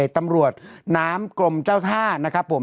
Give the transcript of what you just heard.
ตำรวจน้ำกรมเจ้าท่านะครับผม